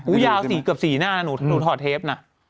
อู๋ยาเกือบสี่หน้าหนูถอดเทปนะ